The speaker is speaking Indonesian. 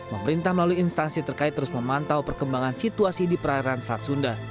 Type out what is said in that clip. pemerintah melalui instansi terkait terus memantau perkembangan situasi di perairan selat sunda